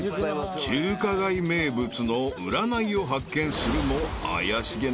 ［中華街名物の占いを発見するも］